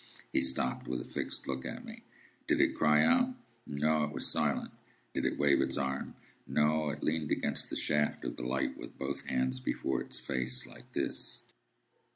He stopped, with a fixed look at me. "Did it cry out?" "No. It was silent." "Did it wave its arm?" "No. It leaned against the shaft of the light, with both hands before the face. Like this."